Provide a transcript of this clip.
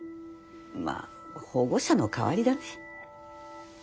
まあ保護者の代わりだね。